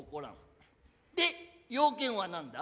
で用件はなんだ？